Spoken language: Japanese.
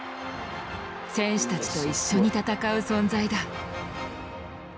選手たちと一緒に戦う存在だ。